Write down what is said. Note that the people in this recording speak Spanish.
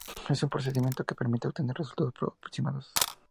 Es un procedimiento que permite obtener resultados aproximados.